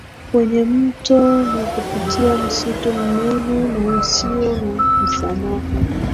kwenye mto na kupitia msitu mnene na usio na msamaha